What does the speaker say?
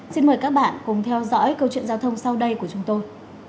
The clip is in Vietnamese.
xin mời các bạn cùng theo dõi câu chuyện giao thông sau đây của chúng tôi